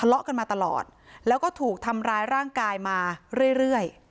เลาะกันมาตลอดแล้วก็ถูกทำร้ายร่างกายมาเรื่อย